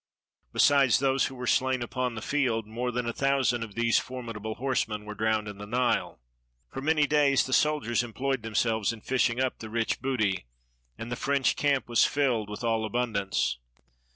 Besides those who were slain upon the field, more than a thousand of these formidable horsemen were drowned in the Nile. For many days the soldiers employed themselves in fishing up the rich booty, and the French camp was filled with all abundance.